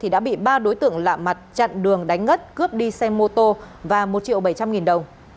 đã bị ba đối tượng lạ mặt chặn đường đánh ngất cướp đi xe mô tô và một triệu bảy trăm linh nghìn đồng